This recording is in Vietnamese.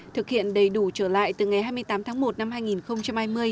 thực hiện đầy đủ trở lại từ ngày hai mươi tám tháng một năm hai nghìn hai mươi